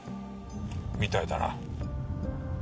みたいだな。